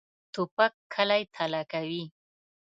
توپک کلی تالا کوي.